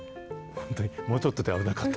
本当にもうちょっとで危なかった。